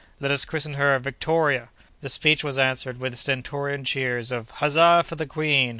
let us christen her Victoria!" This speech was answered with stentorian cheers of "Huzza for the Queen!